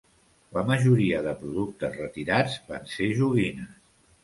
La majoria de productes retirats van ser joguines.